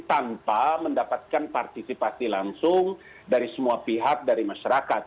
tanpa mendapatkan partisipasi langsung dari semua pihak dari masyarakat